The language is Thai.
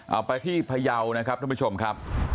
เอาไปที่พยาวนะครับท่านผู้ชมครับ